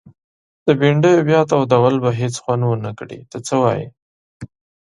د بنډیو بیا تودول به هيڅ خوند ونکړي ته څه وايي؟